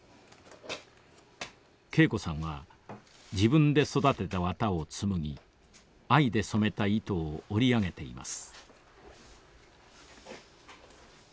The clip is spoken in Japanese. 桂子さんは自分で育てた綿を紡ぎ藍で染めた糸を織り上げています。